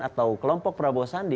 atau kelompok prabowo sandi